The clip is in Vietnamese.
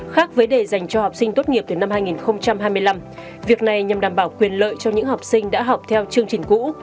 khác với đề dành cho học sinh tốt nghiệp từ năm hai nghìn hai mươi năm việc này nhằm đảm bảo quyền lợi cho những học sinh đã học theo chương trình cũ